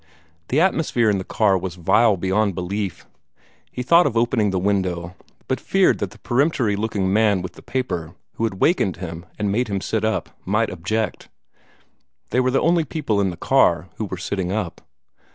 The atmosphere in the car was vile beyond belief. He thought of opening the window, but feared that the peremptory looking man with the paper, who had wakened him and made him sit up, might object. They were the only people in the car who were sitting up.